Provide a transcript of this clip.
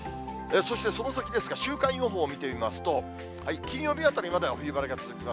そしてその先ですが、週間予報を見てみますと、金曜日あたりまでは冬晴れが続きます。